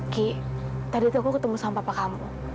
ki tadi itu aku ketemu sama papa kamu